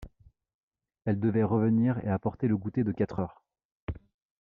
Elle devait revenir et apporter le goûter de quatre heures.